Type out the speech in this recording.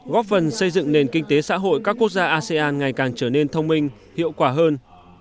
góp phần xây dựng nền kinh tế xã hội các quốc gia asean ngày càng trở nên thông minh hiệu quả hơn